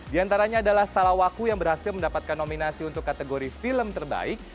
di antaranya adalah salawaku yang berhasil mendapatkan nominasi untuk kategori film terbaik